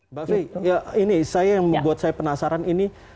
mbak fik ini yang membuat saya penasaran ini